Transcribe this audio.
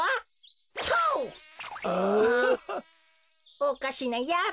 おかしなやつ。